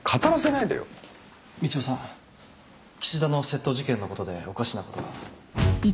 岸田の窃盗事件のことでおかしなことが。